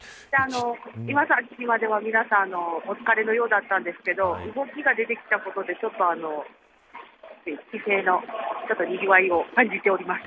今さっきまでは、皆さんお疲れのようだったんですけど動きが出てきたことで、少しにぎわいを感じています。